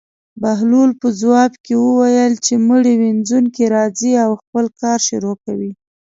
بهلول په ځواب کې وویل: چې مړي وينځونکی راځي او خپل کار شروع کوي.